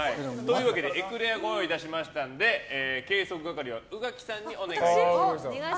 エクレアを用意しましたので計測係は宇垣さんにお願いします。